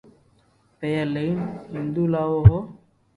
پيا لئين ھيدو لاوُ ھون